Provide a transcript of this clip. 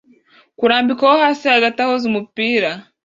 kurambikwaho hasi hagati ahoza umupira